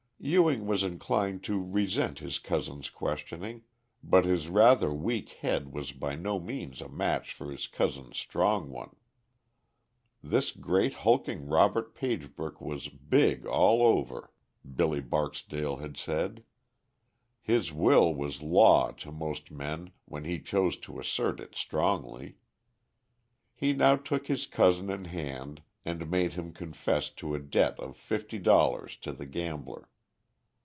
Ewing was inclined to resent his cousin's questioning, but his rather weak head was by no means a match for his cousin's strong one. This great hulking Robert Pagebrook was "big all over," Billy Barksdale had said. His will was law to most men when he chose to assert it strongly. He now took his cousin in hand, and made him confess to a debt of fifty dollars to the gambler.